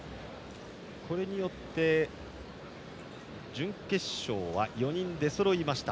これによって、準決勝は４人出そろいました。